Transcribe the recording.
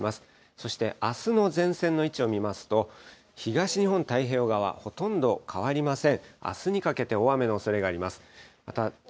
そしてあすの前線の位置を見ますと、東日本太平洋側、ほとんど変わりません。